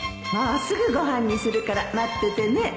もうすぐご飯にするから待っててね